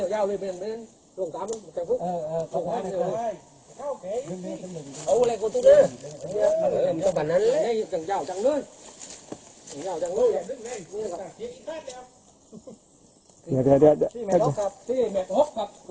เหลืองเท้าอย่างนั้น